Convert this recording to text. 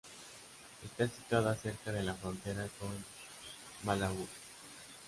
Está situada cerca de la frontera con Malaui.